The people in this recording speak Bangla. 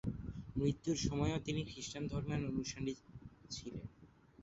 মৃত্যুর সময়ও তিনি খৃষ্টান ধর্মের অনুসারী ছিলেন।